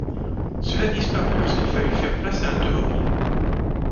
Cela disparut lorsqu'il fallut faire place à l'automobile.